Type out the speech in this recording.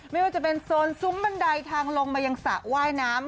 ไม่ว่าจะเป็นโซนซุ้มบันไดทางลงมายังสระว่ายน้ำ